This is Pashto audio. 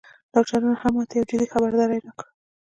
ډاکترانو هم ماته یو جدي خبرداری راکړ